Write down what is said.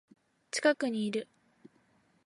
近くにいる